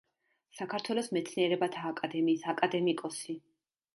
საქართველოს მეცნიერებათა აკადემიის აკადემიკოსი.